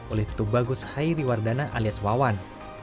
oleh tubagus hairi wardana alias wawan